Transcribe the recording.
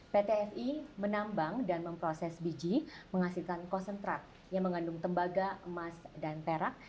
pt fi menambang dan memproses biji menghasilkan konsentrat yang mengandung tembaga emas dan perak